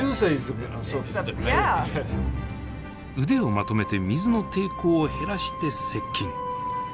腕をまとめて水の抵抗を減らして接近。